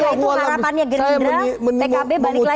itu harapannya gerindra pkb balik lagi